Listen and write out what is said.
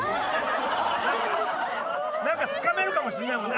なんかつかめるかもしれないもんね。